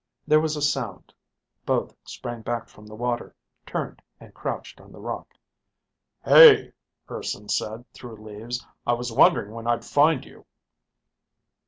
There was a sound. Both sprang back from the water, turned, and crouched on the rock. "Hey," Urson said, through leaves. "I was wondering when I'd find you."